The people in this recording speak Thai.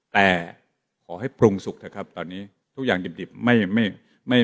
แต่ขอให้ปรุงสุกเถอะครับตอนนี้ทุกอย่างดิบดิบไม่ไม่